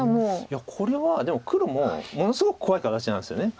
いやこれはでも黒もものすごく怖い形なんですよねこれは。